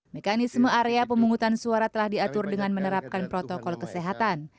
mekanisme area pemungutan suara telah diatur dengan menerapkan protokol kesehatan